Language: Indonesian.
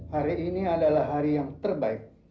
hari ini adalah hari yang terbaik